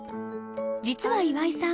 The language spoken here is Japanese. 実は岩井さん